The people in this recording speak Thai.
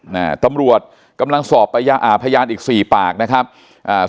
น่ะตำรวจกำลังสอบไปอ่าพยานอีกสี่ปากนะครับอ่า